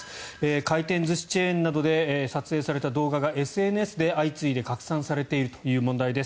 回転寿司チェーン店などで撮影された動画がＳＮＳで相次いで拡散されているという問題です。